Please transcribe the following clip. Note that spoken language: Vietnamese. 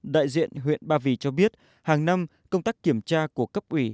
đại diện huyện ba vì cho biết hàng năm công tác kiểm tra của cấp ủy